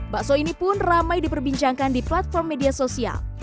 bakso ini pun ramai diperbincangkan di platform media sosial